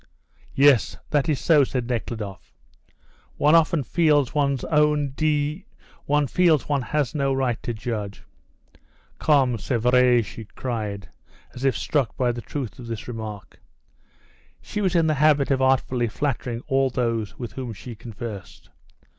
"Yes, that is so," said Nekhludoff. "One often feels one's own de one feels one has no right to judge." "Comme, c'est vrai," she cried, as if struck by the truth of this remark. She was in the habit of artfully flattering all those with whom she conversed.